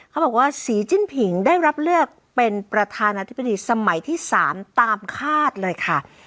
เขาบอกว่าสีจิ้นผิงได้รับเลือกเป็นประธานาธิบดีสมัยที่๓ตามคาดเลยค่ะ